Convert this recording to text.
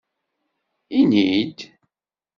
lni-d!